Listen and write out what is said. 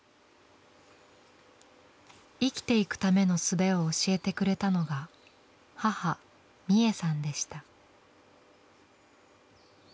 生きていくためのすべを教えてくれたのが母ミエさんでした。